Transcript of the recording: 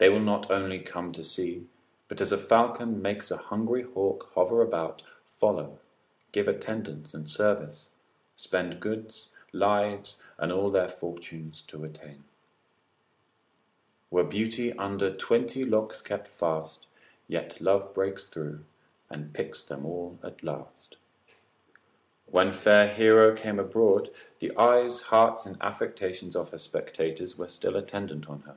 They will not only come to see, but as a falcon makes a hungry hawk hover about, follow, give attendance and service, spend goods, lives, and all their fortunes to attain; Were beauty under twenty locks kept fast, Yet love breaks through, and picks them all at last. When fair Hero came abroad, the eyes, hearts, and affections of her spectators were still attendant on her.